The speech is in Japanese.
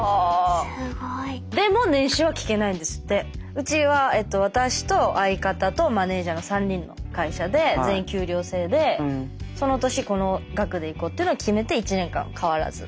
うちは私と相方とマネージャーの３人の会社で全員給料制でその年この額でいこうっていうのを決めて１年間変わらず。